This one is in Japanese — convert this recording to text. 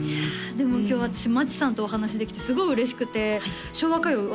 でも今日私町さんとお話しできてすごい嬉しくて昭和歌謡